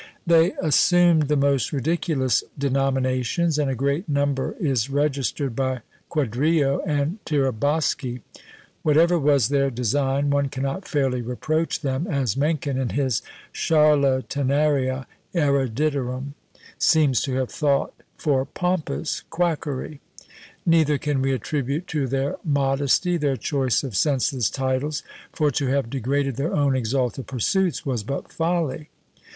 They assumed the most ridiculous denominations, and a great number is registered by Quadrio and Tiraboschi. Whatever was their design, one cannot fairly reproach them, as Mencken, in his "Charlatanaria Eruditorum," seems to have thought, for pompous quackery; neither can we attribute to their modesty their choice of senseless titles, for to have degraded their own exalted pursuits was but folly!